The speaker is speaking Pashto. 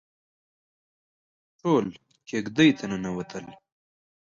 ټول کېږدۍ ته ننوتل.